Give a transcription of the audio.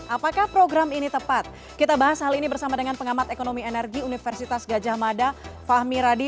apakah program ini tepat kita bahas hal ini bersama dengan pengamat ekonomi energi universitas gajah mada fahmi radi